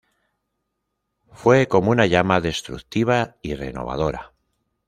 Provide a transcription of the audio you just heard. Fue como una llama destructiva y renovadora".